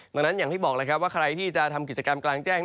ดังนั้นอย่างที่บอกแล้วครับว่าใครที่จะทำกิจกรรมกลางแจ้ง